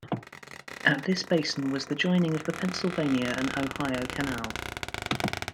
At this basin was the joining of the Pennsylvania and Ohio Canal.